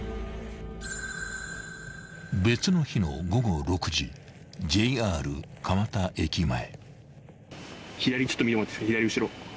［別の日の午後６時ＪＲ蒲田駅前］